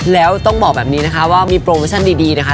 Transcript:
แล้วต้องบอกแบบนี้นะคะว่ามีโปรโมชั่นดีนะคะ